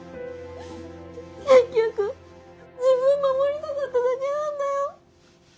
結局自分守りたかっただけなんだよ。